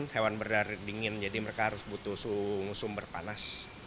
hewan berdari dingin jadi mereka harus butuh suhu sumber panas